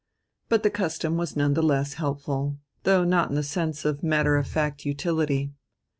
But the custom was none the less helpful, though not in the sense of matter of fact utility.